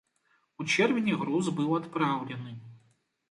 У чэрвені груз быў адпраўлены.